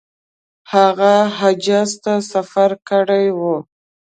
هغه حجاز ته سفر کړی وو.